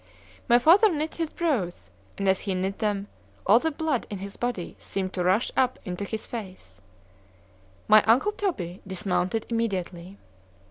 My father knit his brows, and as he knit them, all the blood in his body seemed to rush up into his face——my uncle Toby dismounted immediately.